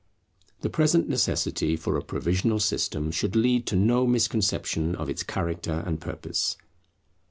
The present necessity for a provisional system should lead to no misconception of its character and purpose.